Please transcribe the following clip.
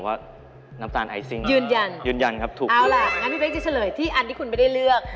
ยืนยังครับถูกหรือไม่หรือไม่หรือเอาล่ะงั้นพี่เบ๊กจะเฉลยที่อันที่คุณไม่ได้เลือก